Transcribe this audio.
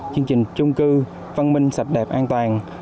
chương trình chung cư văn minh sạch đẹp an toàn